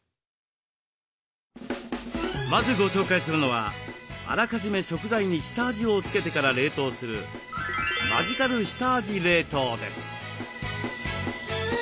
まずご紹介するのはあらかじめ食材に下味をつけてから冷凍する「マジカル下味冷凍」です。